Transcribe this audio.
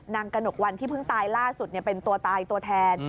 กระหนกวันที่เพิ่งตายล่าสุดเป็นตัวตายตัวแทน